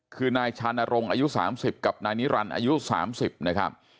คือนายชานรงค์อายุ๓๐กับนายนิรันดิ์อายุ๓๐นะครับ